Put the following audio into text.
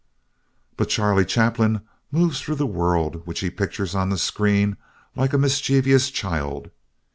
But Charlie Chaplin moves through the world which he pictures on the screen like a mischievous child.